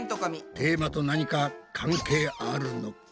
テーマと何か関係あるのか？